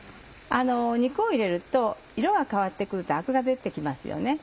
肉を入れると色が変わって来るとアクが出て来ますよね。